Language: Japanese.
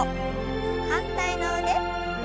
反対の腕。